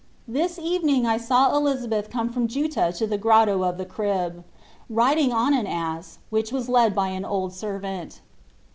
This evening I saw Elizabeth come from Juttah to the Grotto of the Crib, riding on an ass, which was led by an old servant.